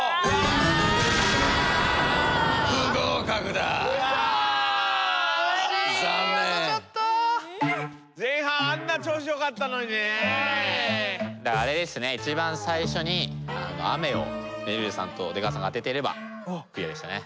だからあれですね一番最初に「雨」をめるるさんと出川さんが当ててればクリアでしたね。